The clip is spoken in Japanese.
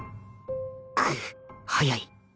くっ早い